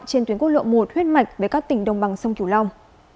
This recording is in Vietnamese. trên tuyến quốc lộ một huyết mạch với các tỉnh đồng bằng sông kiều long